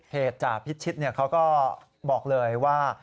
จ่าพิชิตเขาก็บอกเลยว่า